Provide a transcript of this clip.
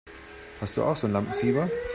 Hast du auch so ein Lampenfieber?